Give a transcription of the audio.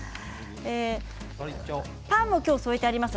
パンも今日、添えてあります。